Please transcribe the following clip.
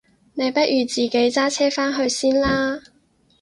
你不如自己揸車返去先啦？